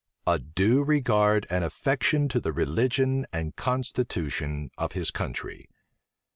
A due regard and affection to the religion and constitution of his country.